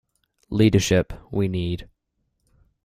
Leadership We Need.